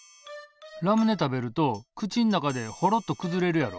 ラムネ食べると口ん中でホロッとくずれるやろ？